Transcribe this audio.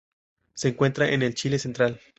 Se encuentra en el Chile central